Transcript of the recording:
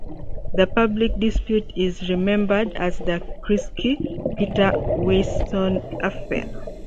This public dispute is remembered as the Kreisky-Peter-Wiesenthal affair.